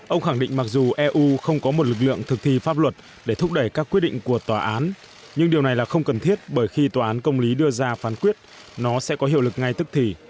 ông khẳng định mặc dù eu không có một lực lượng thực thi pháp luật để thúc đẩy các quyết định của tòa án nhưng điều này là không cần thiết bởi khi tòa án công lý đưa ra phán quyết nó sẽ có hiệu lực ngay tức thì